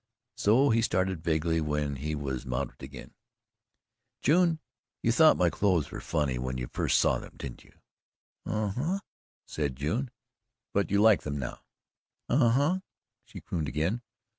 So he started vaguely when he was mounted again: "June, you thought my clothes were funny when you first saw them didn't you?" "Uh, huh!" said June. "But you like them now?" "Uh, huh!" she crooned again.